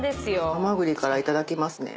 ハマグリからいただきますね。